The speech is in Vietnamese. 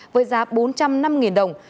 với giá bốn trăm linh năm đồng